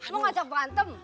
mau ngajak berantem